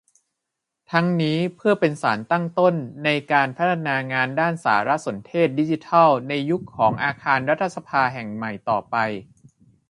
ทั้งนี้เพื่อเป็นสารตั้งต้น ในการพัฒนางานด้านสารสนเทศดิจิทัล ในยุคของอาคารรัฐสภาแห่งใหม่ต่อไป